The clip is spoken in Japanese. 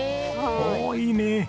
おおいいね。